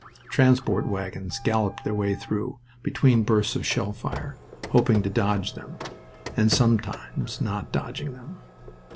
Transport wagons galloped their way through, between bursts of shell fire, hoping to dodge them, and sometimes not dodging them.